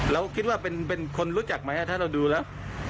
เราคิดว่าเป็นคนรู้จักไหมถ้าเราดูแล้ว